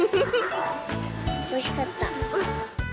おいしかった。